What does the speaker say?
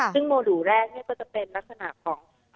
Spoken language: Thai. ซึ่งโมดูลแรกจะเป็นลักษณะของ